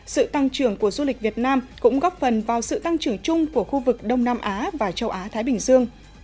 sự tăng trưởng của du lịch việt nam cũng góp phần vào sự tăng trưởng chung của khu vực đông nam á và châu á thái bình dương